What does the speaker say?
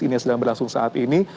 ini yang sedang berlangsung saat ini